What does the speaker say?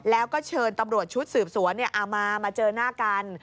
แล้วก็เชิญตำรวจชุดสืบสวนมาเจอหน้ากัน